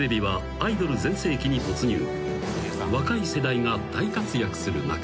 ［若い世代が大活躍する中］